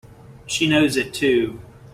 She knows it too!